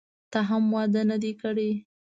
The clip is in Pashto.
نه، هم واده نه دی کړی.